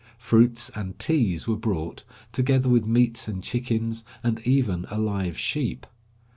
Fruits and teas were brought, together with meats and chickens, and even a live sheep.